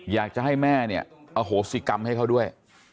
อยากจะให้แม่เนี่ยอโหสิกรรมให้เขาด้วย